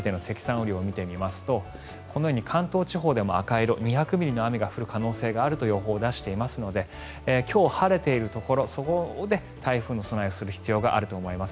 雨量を見てみますとこのように関東地方でも赤色２００ミリの雨が降る可能性があると予報を出していますので今日晴れているところで台風の備えをする必要があると思います。